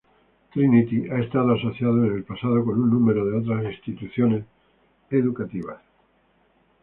Trinity ha estado asociado en el pasado con un número de otras instituciones educativas.